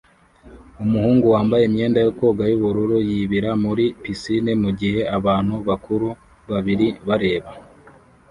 Umuhungu wambaye imyenda yo koga yubururu yibira muri pisine mugihe abantu bakuru babiri bareba